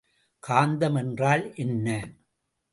காந்தம் என்றால் என்ன?